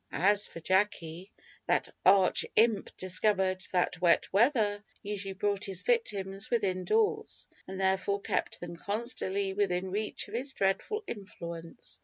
As for Jacky that arch imp discovered that wet weather usually brought his victims within doors, and therefore kept them constantly within reach of his dreadful influence.